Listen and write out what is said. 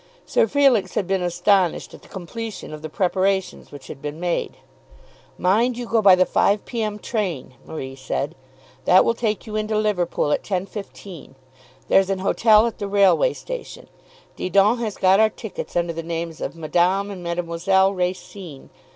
Sir Felix had been astonished at the completion of the preparations which had been made. "Mind you go by the 5 P.M. train," Marie said. "That will take you into Liverpool at 10.15. There's an hotel at the railway station. Didon has got our tickets under the names of Madame and Mademoiselle Racine.